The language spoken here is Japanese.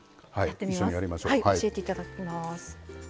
教えていただきます。